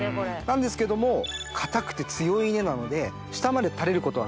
なんですけども硬くて強い稲なので下まで垂れることはない。